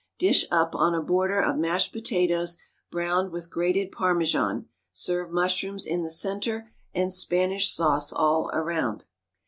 Dish up on a border of mashed potatoes browned with grated Parmesan; serve mushrooms in the centre and Spanish sauce all round.